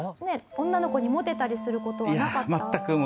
女の子にモテたりする事はなかった？